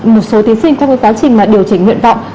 một số thí sinh có quá trình điều chỉnh nguyện vọng